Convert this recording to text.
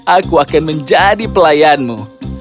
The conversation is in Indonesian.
aku akan menjadi pelayanmu